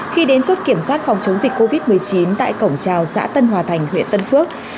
khi đến chốt kiểm soát phòng chống dịch covid một mươi chín tại cổng trào xã tân hòa thành huyện tân phước